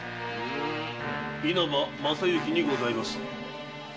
稲葉正行にございます。